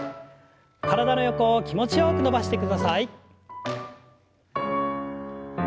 体の横を気持ちよく伸ばしてください。